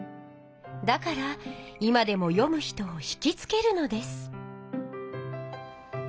だから今でも読む人を引きつけるのです。